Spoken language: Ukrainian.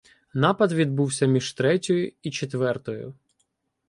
Напад відбувся між третьою і четвертою.